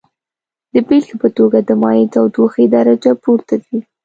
د بیلګې په توګه د مایع تودوخې درجه پورته ځي.